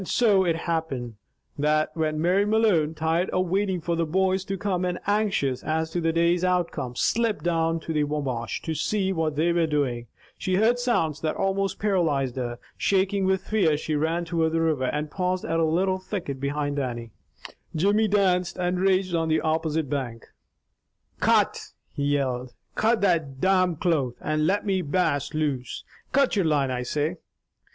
So it happened, that when Mary Malone, tired of waiting for the boys to come, and anxious as to the day's outcome, slipped down to the Wabash to see what they were doing, she heard sounds that almost paralyzed her. Shaking with fear, she ran toward the river, and paused at a little thicket behind Dannie. Jimmy danced and raged on the opposite bank. "Cut!" he yelled. "Cut that domn cable, and let me Bass loose! Cut your line, I say!"